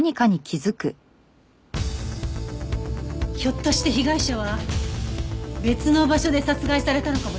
ひょっとして被害者は別の場所で殺害されたのかもしれないわ。